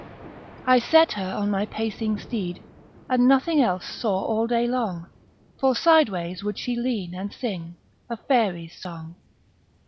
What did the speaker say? I set her on my pacing steed, And nothing else saw all day long; For sideways would she lean, and sing A faery's song.